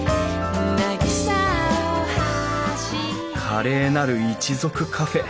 「華麗なる一族カフェ。